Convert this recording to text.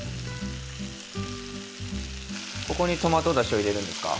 ここにトマトだしを入れるんですか？